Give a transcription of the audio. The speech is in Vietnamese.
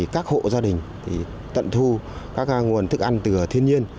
các hộ gia đình tận thu các nguồn thức ăn từ thiên nhiên